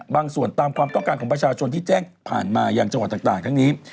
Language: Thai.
บางส่วนตามความต้องการของประชาชนที่แจ้งผ่านมาอย่างจังหวัดต่างทั้งนี้